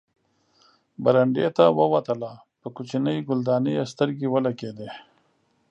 برنډې ته ووتله، په کوچنۍ ګلدانۍ یې سترګې ولګېدې.